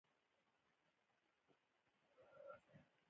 له ښـوونکو سره پر درسي پـلان او میتود کـار کول.